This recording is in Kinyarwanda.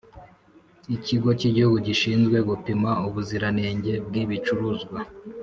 ikigo cy'igihugu gishinzwe gupima ubuziranenge bw'ibicuruzwa